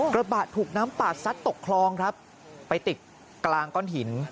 กระบะถูกน้ำปาดซัดตกคลองครับไปติดกลางก้อนหิน